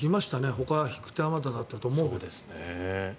ほか、引く手あまただったと思うけど。